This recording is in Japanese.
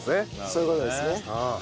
そういう事ですね。